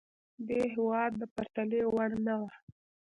دې هېواد د پرتلې وړ نه وه.